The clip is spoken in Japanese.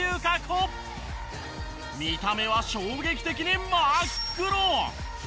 見た目は衝撃的に真っ黒！